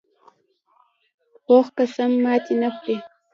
پوخ قسم ماتې نه خوري